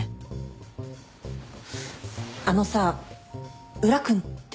あのさ宇良君って。